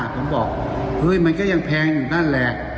ผมบอกเฮ้ยมันก็ยังแพงอยู่นั่นแหละ